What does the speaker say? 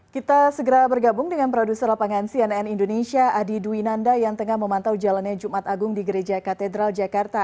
kita segera bergabung dengan produser lapangan cnn indonesia adi dwi nanda yang tengah memantau jalannya jumat agung di gereja katedral jakarta